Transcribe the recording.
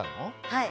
はい。